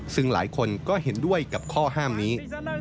ซึ่งหลายคนก็เห็นด้วยกับข้อห้ามนี้